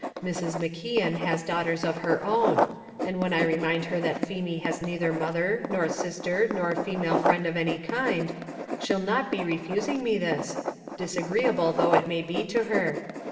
Mrs. McKeon has daughters of her own, and when I remind her that Feemy has neither mother, nor sister, nor female friend of any kind, she'll not be refusing me this, disagreeable though it may be to her.